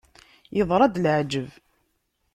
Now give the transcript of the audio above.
Yeḍra-d leεǧeb!